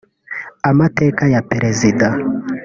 Amateka ya Perezida